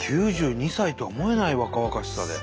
９２歳とは思えない若々しさで。